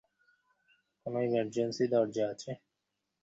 অন্য চৌকিটা খালি রাখলে কেন!